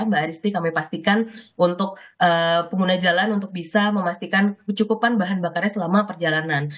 mbak aristi kami pastikan untuk pengguna jalan untuk bisa memastikan kecukupan bahan bakarnya selama perjalanan